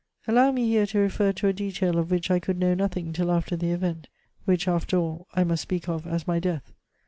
"Allow me here to refer to a detail of which I could know nothing till after the event, which, after all, I must speak of as my death.